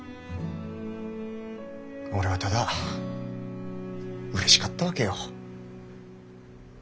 俺はただうれしかったわけよ。